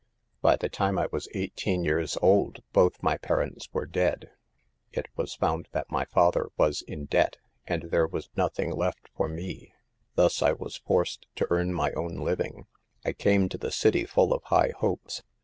"By the time I was eighteen years old both my parents were dead. It was found THE PERILS OE POVERTY, 147 that my father was in debt, and there was nothing left for me. Thus I was forced to earn my own living. I came to the city full of high hopes.